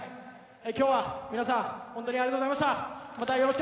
今日は皆さん本当にありがとうございました。